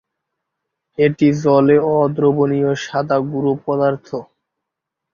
এটি জলে অদ্রবণীয় সাদা গুঁড়ো পদার্থ।